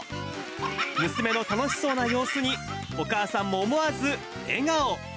娘の楽しそうな様子に、お母さんも思わず笑顔。